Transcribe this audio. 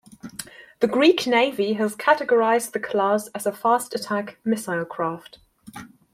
The Greek Navy has categorised the class as fast attack missile craft.